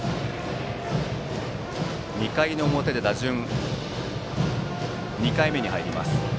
２回の表で打順は２回目に入ります。